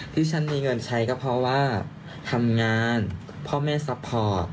ที่ฉันมีเงินใช้ก็เพราะว่าทำงานพ่อแม่ซัพพอร์ต